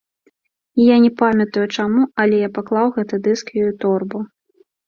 І я не памятаю чаму, але я паклаў гэты дыск ёй у торбу.